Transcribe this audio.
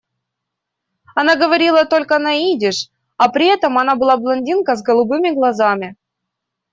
Она говорила только на идиш, а при этом она была блондинка с голубыми глазами.